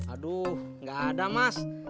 aduh gak ada mas